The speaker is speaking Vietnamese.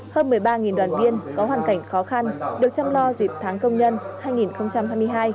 hơn một mươi ba đoàn viên có hoàn cảnh khó khăn được chăm lo dịp tháng công nhân hai nghìn hai mươi hai